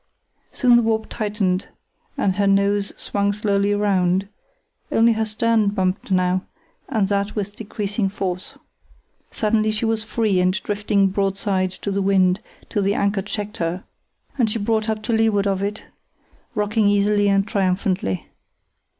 Soon her warp tightened and her nose swung slowly round; only her stern bumped now, and that with decreasing force. Suddenly she was free and drifting broadside to the wind till the anchor checked her and she brought up to leeward of it, rocking easily and triumphantly.